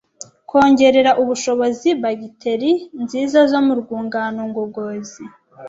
Kongerera ubushobozi bagiteri nziza zo mu rwungano ngogozi